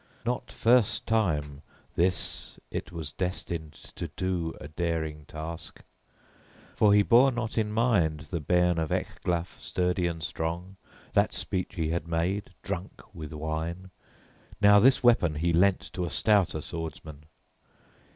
Not first time this it was destined to do a daring task. For he bore not in mind, the bairn of Ecglaf sturdy and strong, that speech he had made, drunk with wine, now this weapon he lent to a stouter swordsman.